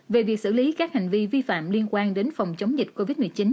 về việc xử lý các hành vi vi phạm liên quan đến phòng chống dịch covid một mươi chín